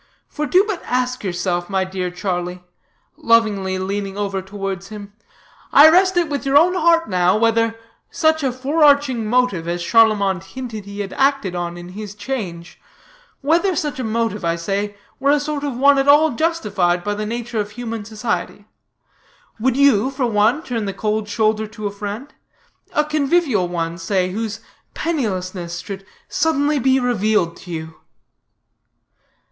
For do but ask yourself, my dear Charlie," lovingly leaning over towards him, "I rest it with your own heart now, whether such a forereaching motive as Charlemont hinted he had acted on in his change whether such a motive, I say, were a sort of one at all justified by the nature of human society? Would you, for one, turn the cold shoulder to a friend a convivial one, say, whose pennilessness should be suddenly revealed to you?"